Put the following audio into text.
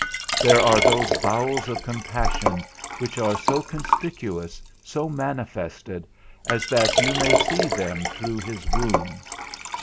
There are those bowels of compassion which are so conspicuous, so manifested, as that you may see them through his wounds.